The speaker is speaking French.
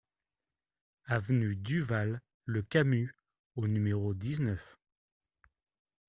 Avenue Duval Le Camus au numéro dix-neuf